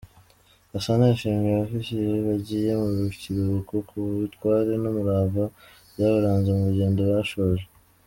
Gasana yashimiye Abofisiye bagiye mu kiruhuko ku butwari n’umurava byabaranze mu rugendo bashoje.